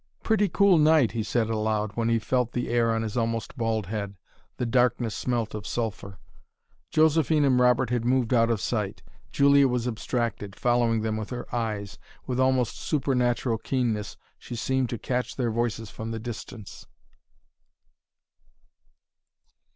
"Pretty cool night!" he said aloud, when he felt the air on his almost bald head. The darkness smelt of sulphur. Josephine and Robert had moved out of sight. Julia was abstracted, following them with her eyes. With almost supernatural keenness she seemed to catch their voices from the distance.